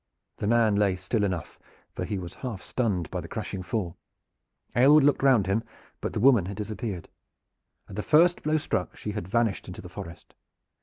The man lay still enough, for he was half stunned by the crashing fall. Aylward looked round him, but the woman had disappeared. At the first blow struck she had vanished into the forest.